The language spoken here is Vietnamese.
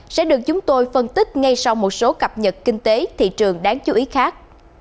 sẽ được chúng tôi phân tích ngay sau một số cập nhật kinh tế thị trường đáng chú ý khác